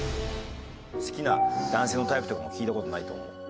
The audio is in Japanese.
好きな男性のタイプとかも聞いた事ないと思う。